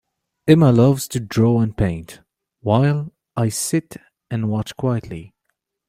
Emma loves to draw and paint, while I sit and watch quietly